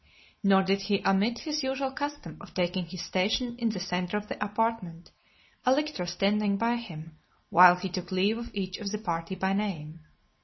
Nor did he omit his usual custom of taking his station in the centre of the apartment, a lictor standing by him, while he took leave of each of the party by name.